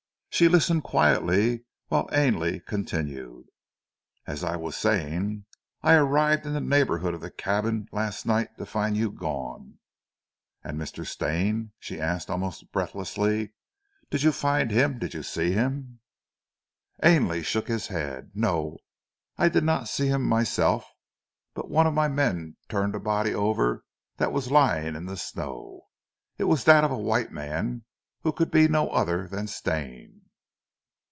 She listened quietly whilst Ainley continued: "As I was saying, I arrived in the neighbourhood of the cabin last night, to find you gone " "And Mr. Stane?" she asked almost breathlessly. "Did you find him? Did you see him?" Ainley shook his head. "No, I did not see him myself, but one of my men turned a body over that was lying in the snow. It was that of a white man, who could be no other than Stane!"